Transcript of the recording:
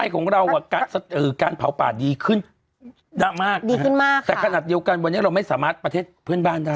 ของเราอ่ะการเผาป่าดีขึ้นดังมากดีขึ้นมากแต่ขนาดเดียวกันวันนี้เราไม่สามารถประเทศเพื่อนบ้านได้